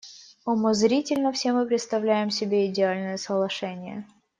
Умозрительно все мы представляем себе идеальное соглашение.